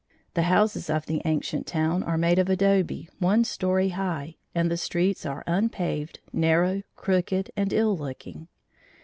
The houses of the ancient town are made of adobe, one story high, and the streets are unpaved, narrow, crooked and ill looking.